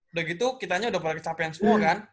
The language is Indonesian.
udah gitu kitanya udah mulai kecapean semua kan